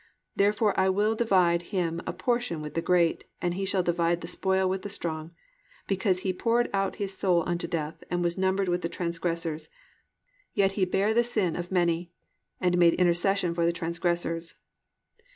Therefore will I divide Him a portion with the great, and He shall divide the spoil with the strong; because He poured out His soul unto death, and was numbered with the transgressors: yet He bare the sin of many. And made intercession for the transgressors."